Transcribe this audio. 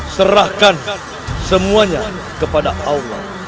serahkan semuanya kepada allah